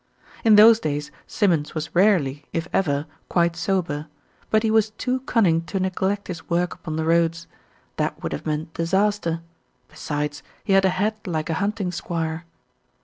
In those days Simmons was rarely, if ever, quite sober; but he was too cunning to neglect his work upon the roads that would have meant disaster; besides, he had a head like a hunting squire.